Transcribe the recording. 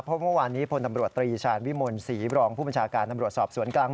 เพราะเมื่อวานนี้พลตำรวจตรีชาญวิมลศรีบรองผู้บัญชาการตำรวจสอบสวนกลาง